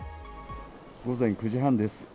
午前９時半です。